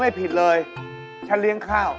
ต้องเปลี่ยนแล้วต้องเปลี่ยนแล้ว